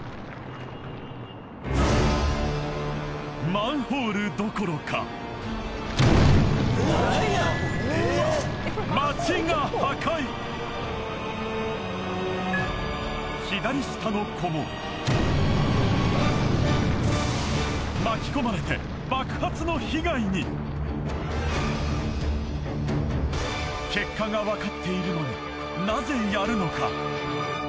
マンホールどころか左下の子も巻き込まれて結果がわかっているのになぜやるのか？